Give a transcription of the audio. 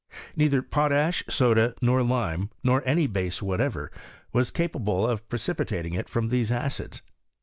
Neither potash, soda, nor lime, nor any betse whatever, was capable of precipitating it from these acids.